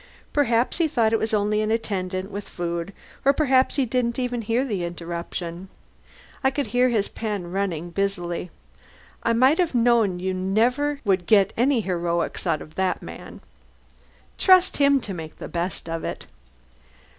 Perhaps he thought it was only an attendant with food, or perhaps he didn't even hear the interruption. I could hear his pen running busily. I might have known you never would get any heroics out of that man! Trust him to make the best of it!